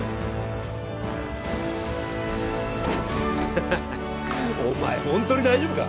ハハハお前ホントに大丈夫か？